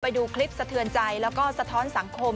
ไปดูคลิปสะเทือนใจแล้วก็สะท้อนสังคม